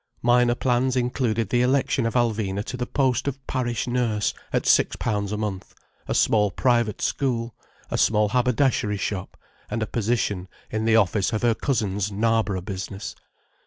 Minor plans included the election of Alvina to the post of parish nurse, at six pounds a month: a small private school; a small haberdashery shop; and a position in the office of her cousin's Knarborough business.